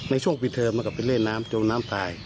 ในช่วงปิดเทอมมันก็ไปเล่นน้ำจมน้ำตาย